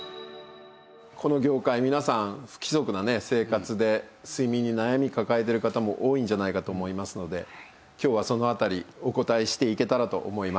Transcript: この業界皆さん不規則なね生活で睡眠に悩み抱えてる方も多いんじゃないかと思いますので今日はその辺りお答えしていけたらと思います。